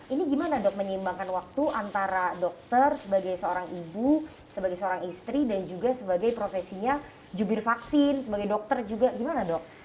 ini gimana dok menyimbangkan waktu antara dokter sebagai seorang ibu sebagai seorang istri dan juga sebagai profesinya jubir vaksin sebagai dokter juga gimana dok